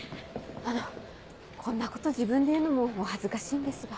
あのこんなこと自分で言うのもお恥ずかしいんですが。